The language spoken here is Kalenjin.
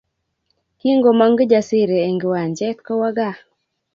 Kingomong Kijasiri eng kiwanjet kowo gaa